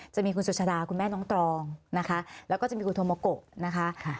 จะมีคุณสุชาดาคุณแม่น้องตรองนะคะแล้วก็จะมีคุณโทโมโกะนะคะ